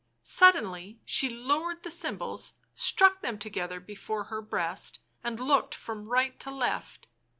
Suddenly she lowered the cymbals, struck them together before her breast, and looked from right to left.